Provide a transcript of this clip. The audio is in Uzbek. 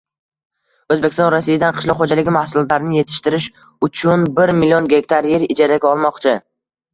O‘zbekiston Rossiyadan qishloq xo‘jaligi mahsulotlarini yetishtirish uchunbirmln gektar yer ijaraga olmoqchi